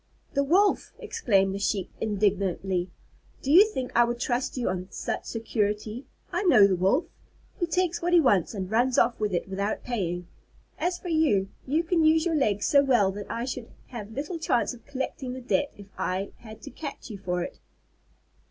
"The Wolf!" exclaimed the Sheep indignantly. "Do you think I would trust you on such security? I know the Wolf! He takes what he wants and runs off with it without paying. As for you, you can use your legs so well that I should have little chance of collecting the debt if I had to catch you for it!"